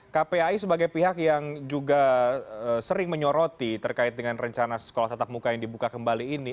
kpai sebagai pihak yang juga sering menyoroti terkait dengan rencana sekolah tatap muka yang dibuka kembali ini